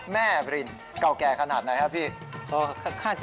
แม่รินเก่าแก่ขนาดไหนครับพี่